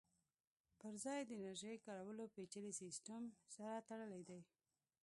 پرځای یې د انرژۍ کارولو پېچلي سیسټم سره تړلی دی